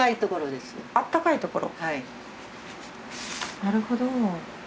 なるほど。